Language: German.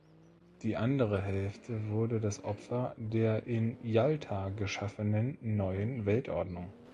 Die andere Hälfte wurde das Opfer der in Jalta geschaffenen neuen Weltordnung.